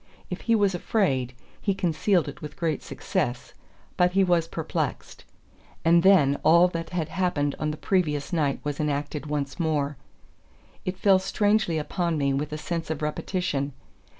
If he was afraid, he concealed it with great success, but he was perplexed. And then all that had happened on the previous night was enacted once more. It fell strangely upon me with a sense of repetition.